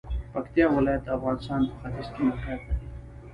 پکتیا ولایت د افغانستان په ختیځ کې موقعیت لري.